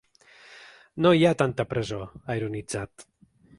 No hi ha tanta presó, ha ironitzat.